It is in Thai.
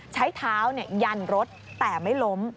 ใช้เท้ายันรถแต่ไม่ล้ม